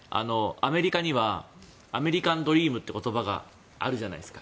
アメリカにはアメリカンドリームという言葉があるじゃないですか。